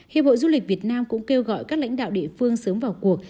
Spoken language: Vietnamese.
hiệp hội du lịch việt nam cũng kêu gọi các lãnh đạo địa phương sớm vào cuộc